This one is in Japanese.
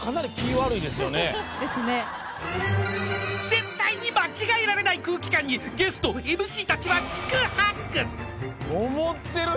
［絶対に間違えられない空気感にゲストＭＣたちは四苦八苦］